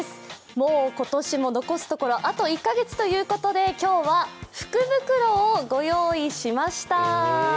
もう今年も残すところあと１カ月ということで、今日は福袋をご用意しました。